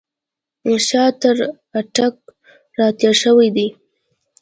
شاه تر اټک را تېر شوی دی.